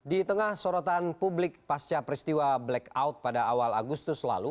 di tengah sorotan publik pasca peristiwa blackout pada awal agustus lalu